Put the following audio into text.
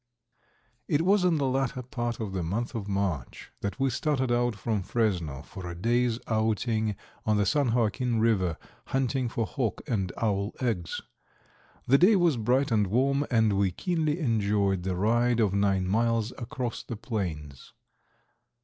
It was in the latter part of the month of March that we started out from Fresno for a day's outing on the San Joaquin river, hunting for hawk and owl eggs. The day was bright and warm, and we keenly enjoyed the ride of nine miles across the plains.